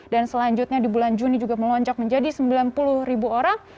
dan selanjutnya di bulan juni juga melonjak menjadi sembilan puluh ribu orang